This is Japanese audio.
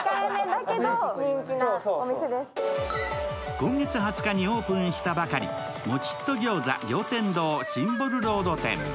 今月２０日にオープンしたばかりもちっと餃子餃天堂シンボルロード店。